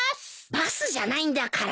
バスじゃないんだから。